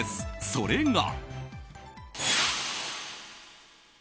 それが。